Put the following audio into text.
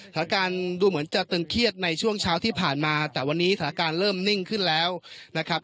สถานการณ์ดูเหมือนจะตึงเครียดในช่วงเช้าที่ผ่านมาแต่วันนี้สถานการณ์เริ่มนิ่งขึ้นแล้วนะครับ